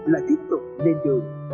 lại tiếp tục lên đường